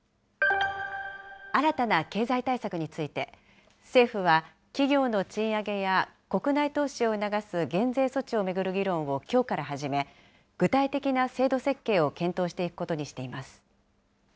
新たな経済対策について、政府は企業の賃上げや国内投資を促す減税措置を巡る議論をきょうから始め、具体的な制度設計を検討していくことにしています。